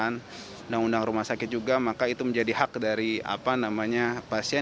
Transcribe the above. dan undang undang rumah sakit juga maka itu menjadi hak dari pasien